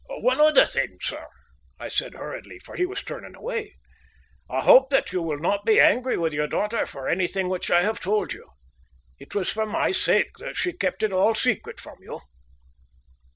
"One other thing, sir," I said hurriedly, for he was turning away, "I hope that you will not be angry with your daughter for anything which I have told you. It was for my sake that she kept it all secret from you."